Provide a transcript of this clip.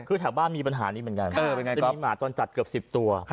คือแถวบ้านมีปัญหานี้เหมือนกันจะมีหมาจรจัดเกือบ๑๐ตัว